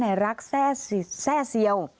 นายรักแซ่เซียว